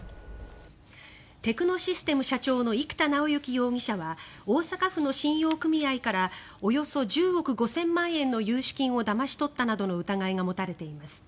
テクノシステム社長の生田尚之容疑者は大阪府の信用組合からおよそ１０億５０００万円の融資金をだまし取ったなどの疑いが持たれています。